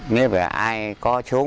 nghĩa về ai có chúng